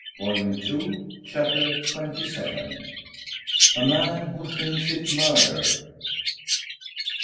Volume Two, Chapter XXVII. A MAN WHO THINKS IT MURDER.